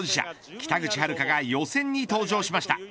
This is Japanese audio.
北口榛花が予選に登場しました。